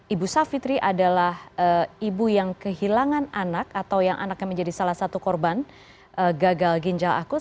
ibu savitri adalah ibu yang kehilangan anak atau yang anaknya menjadi salah satu korban gagal ginjal akut